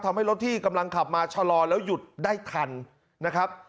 ทำให้รถที่กำลังขับมาชะลอแล้วหยุดได้ทันนะครับ